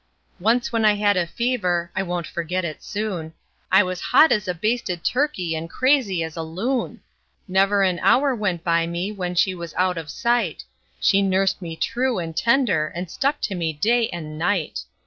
Once when I had a fever I won't forget it soon I was hot as a basted turkey and crazy as a loon; Never an hour went by me when she was out of sight She nursed me true and tender, and stuck to me day and night.